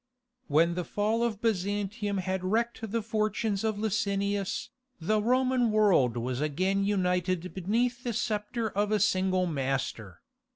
When the fall of Byzantium had wrecked the fortunes of Licinius, the Roman world was again united beneath the sceptre of a single master.